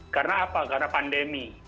karena apa karena pandemi